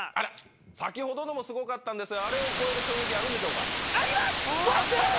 先ほどのもすごかったんですがあれを超える衝撃あるんでしょうか？